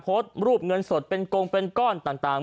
โพสต์รูปเงินสดเป็นกงเป็นก้อนต่าง